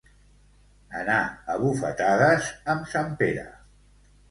Anar a bufetades amb sant Pere.